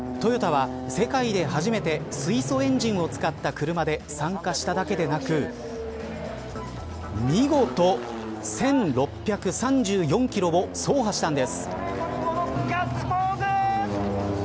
トヨタは世界で初めて水素エンジンを使った車で参加しただけでなく見事、１６３４キロを走破したんです。